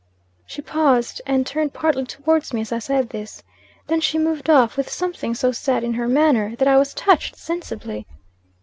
"She paused, and turned partly towards me as I said this. Then she moved off, with something so sad in her manner, that I was touched, sensibly.